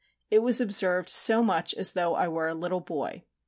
it was observed so much as though I were a little boy."